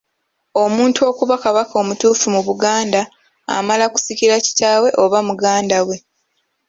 Omuntu okuba Kabaka omutuufu mu Buganda amala kusikira kitaawe oba muganda we.